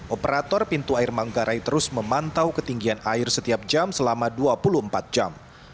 operator pintu air manggarai terus memantau ketinggian air setiap jam selama dua puluh empat jam